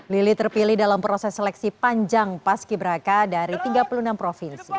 lili terpilih dalam proses seleksi panjang paski beraka dari tiga puluh enam provinsi